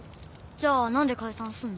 じゃあ何で解散すんの？